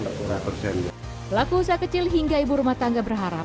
pelaku usaha kecil hingga ibu rumah tangga berharap